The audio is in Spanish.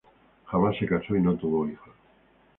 Jamás se casó y no tuvo hijos.